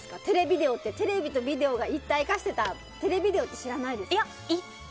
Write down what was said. テレビとビデオが一体化してたテレビデオって知らないですか。